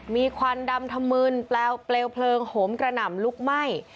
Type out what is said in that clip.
มีควันดำถมืนเปลวเพลิงโหมกระหน่ำลุกไหม้